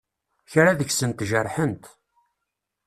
Kra deg-sent jerḥent.